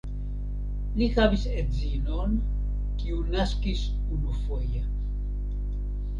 Li havis edzinon, kiu naskis unufoje.